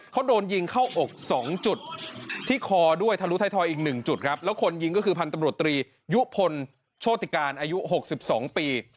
เขาโดนยิงเข้าอก๒จุดที่คอด้วยทะลุท้ายทอยอีก๑จุดครับแล้วคนยิงก็คือพันธุ์ตำรวจตรียุพลโชติการอายุ๖๒ปี